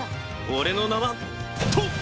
俺の名は。とうっ！